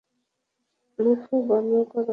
মুখ বন্ধ করো।